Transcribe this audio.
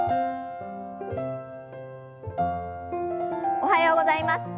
おはようございます。